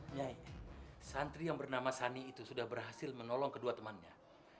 nyai santri yang bernama sani itu sudah berhasil menolong kedua temannya